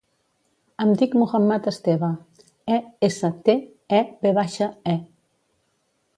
Em dic Muhammad Esteve: e, essa, te, e, ve baixa, e.